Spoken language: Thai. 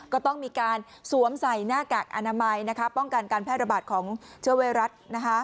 ก็ต้องมีการสวมใส่หน้ากากอนามัยป้องกันการแพร่ระบาดของเชื้อไวรัส